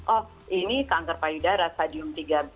oh ini kanker payudara stadium tiga belas